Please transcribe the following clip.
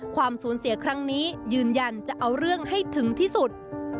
ความสูญเสียครั้งนี้ยืนยันจะเอาเรื่องให้ถึงที่สุด